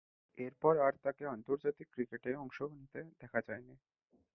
এরপর আর তাকে আন্তর্জাতিক ক্রিকেটে অংশ নিতে দেখা যায়নি।